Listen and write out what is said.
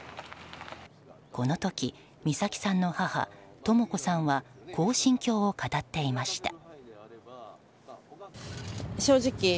この時、美咲さんの母とも子さんはこう心境を語っていました。